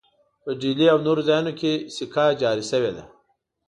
په ډهلي او نورو ځایونو کې سکه جاري شوې ده.